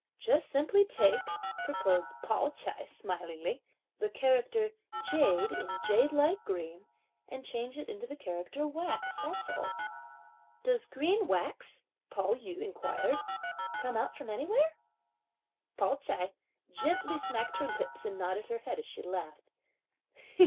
"Just simply take," proposed Pao ch'ai smilingly, "the character jade in jade like green and change it into the character wax, that's all." "Does 'green wax,'" Pao yü inquired, "come out from anywhere?" Pao ch'ai gently smacked her lips and nodded her head as she laughed.